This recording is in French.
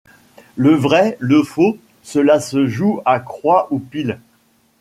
Le vrai, le faux, cela se joue à croix ou pile.